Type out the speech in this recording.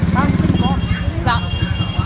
bao nhiêu cân một con